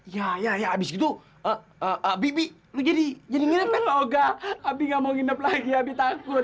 ya ya ya habis itu habis itu jadi jadi ngepet logak tapi nggak mau nginep lagi habis takut